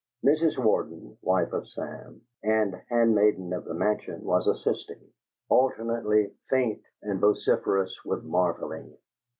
Mrs. Warden, wife of Sam, and handmaiden of the mansion, was assisting, alternately faint and vociferous with marvelling.